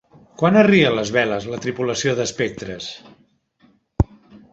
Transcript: Quan arria les veles la tripulació d'espectres?